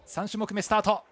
３種目め、スタート。